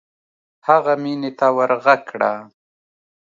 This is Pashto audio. هغه مينې ته ورږغ کړه.